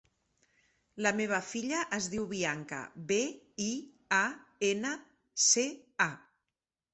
La meva filla es diu Bianca: be, i, a, ena, ce, a.